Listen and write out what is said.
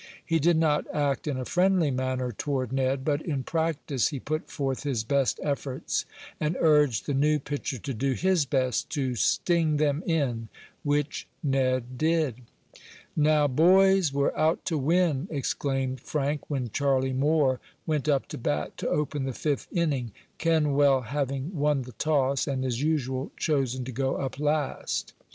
He did not act in a friendly manner toward Ned, but in practice he put forth his best efforts, and urged the new pitcher to do his best to "sting them in," which Ned did. "Now, boys, we're out to win!" exclaimed Frank, when Charlie Moore went up to bat to open the fifth inning, Kenwell having won the toss, and, as usual, chosen to go up last.